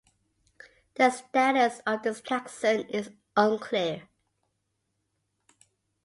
The status of this taxon is unclear.